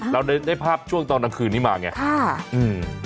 เราได้ภาพช่วงตอนกลางคืนนี้มาไง